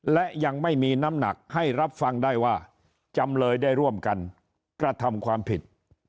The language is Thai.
และยังไม่มีน้ำหนักให้รับฟังได้ว่าจำเลยได้ร่วมกันกระทำความผิด